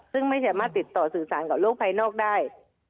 ซึ่งไม่สามารถติดต่อสื่อสารกับโลกภายนอกได้